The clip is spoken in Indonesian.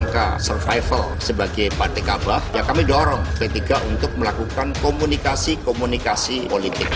maka survival sebagai partai kabah ya kami dorong p tiga untuk melakukan komunikasi komunikasi politik